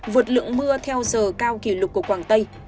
vượt lượng mưa theo giờ cao kỷ lục của quảng tây